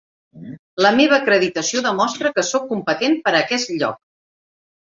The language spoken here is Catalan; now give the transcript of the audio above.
La meva acreditació demostra que soc competent per a aquest lloc.